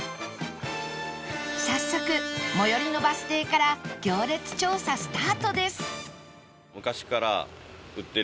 早速最寄りのバス停から行列調査スタートです